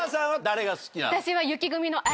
私は雪組の。